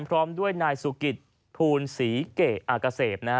พร้อมด้วยนายสุกิตภูลศรีเกะอาเกษมนะฮะ